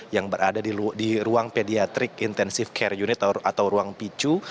yang berada di ruang pediatric intensive care unit atau ruang picu